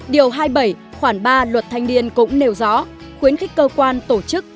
điều hai mươi bảy khoảng ba luật thanh niên cũng nêu rõ khuyến khích cơ quan tổ chức